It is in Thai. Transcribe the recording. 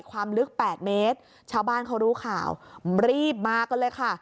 ความลึก๘เมตรชาวบ้านเขารู้ข่าวรีบมากันเลยค่ะ